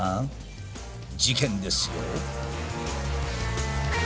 事件ですよ。